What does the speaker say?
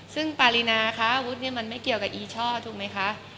ซึ่งปารีนาค้าอาวุธนี่มันไม่เกี่ยวกับอีช่อถูกไหมคะ